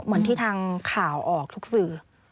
เหมือนที่ทางข่าวออกทุกสื่อ